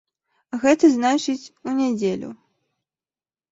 Гэта значыць, у нядзелю.